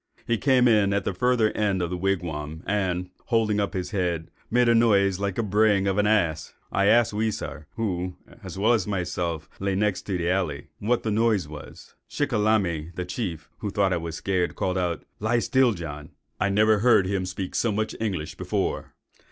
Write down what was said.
He came in at the further end of the wigwam, and, holding up his head, made a noise like the braying of an ass. I asked Weisar, who, as well as myself, lay next the alley, what noise that was. Shickalamy, the chief, who thought I was scared, called out, 'Lie still, John!' I never heard him speak so much English before.